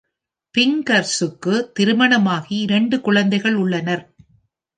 பிங்கர்சுக்குத் திருமணமாகி இரண்டு குழந்தைகள் உள்ளனர்.